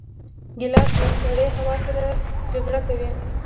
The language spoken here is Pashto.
ګیلاس له سړې هوا سره جګړه کوي.